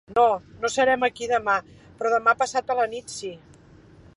No, no serem aquí dema; però demà passat a la nit, sí.